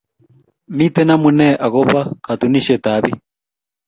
miten amune ako ba katunishen ab pik